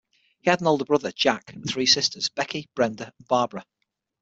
He had an older brother, Jack, and three sisters: Becky, Brenda, and Barbara.